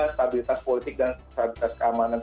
stabilitas politik dan stabilitas keamanan